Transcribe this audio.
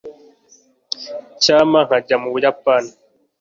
icyampa nkajya mu buyapani